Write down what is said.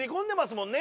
もんね